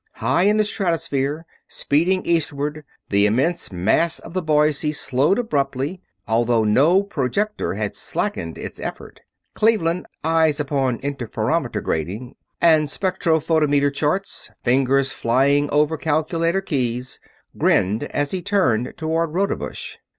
High in the stratosphere, speeding eastward, the immense mass of the Boise slowed abruptly, although no projector had slackened its effort. Cleveland, eyes upon interferometer grating and spectrophotometer charts, fingers flying over calculator keys, grinned as he turned toward Rodebush.